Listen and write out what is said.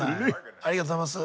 ありがとうございます。